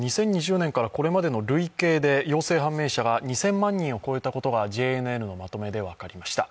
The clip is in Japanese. ２０２０年からこれまでの累計で陽性判明者が２０００万人を超えたことがＪＮＮのまとめで分かりました。